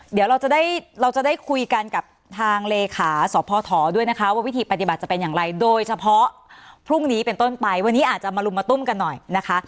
เดี๋ยวเราจะได้เราจะได้คุยกันกับทางเลขาสพด้วยนะคะว่าวิธีปฏิบัติจะเป็นอย่างไรโดยเฉพาะพรุ่งนี้เป็นต้นไปวันนี้อาจจะมาลุมมาตุ้มกันหน่อยนะคะ